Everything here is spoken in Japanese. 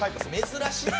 珍しい。